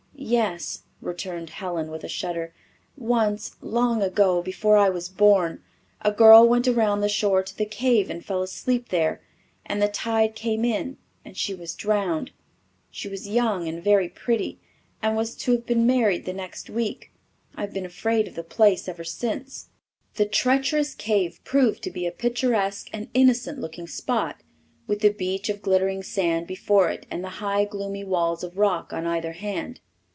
"Yes," returned Helen, with a shudder. "Once, long ago, before I was born, a girl went around the shore to the cave and fell asleep there and the tide came in and she was drowned. She was young and very pretty, and was to have been married the next week. I've been afraid of the place ever since." The treacherous cave proved to be a picturesque and innocent looking spot, with the beach of glittering sand before it and the high gloomy walls of rock on either hand.